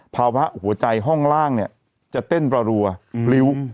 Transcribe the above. ภาวะหัวใจห้องล่างเนี่ยจะเต้นรัวพริ้ว